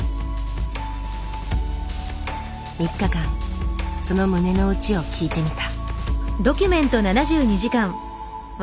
３日間その胸の内を聞いてみた。